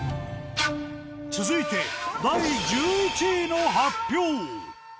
続いて第１１位の発表。